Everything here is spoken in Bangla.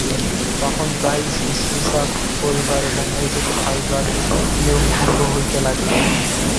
তখন প্রায়ই শুশ্রূষা করিবার এবং ঔষধ খাওয়াইবার নিয়ম ভঙ্গ হইতে লাগিল।